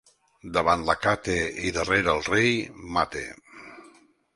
Davant l'acate i darrere el rei mate.